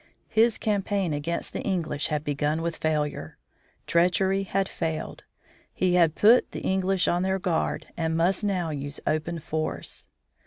His campaign against the English had begun with failure. Treachery had failed. He had put the English on their guard and must now use open force.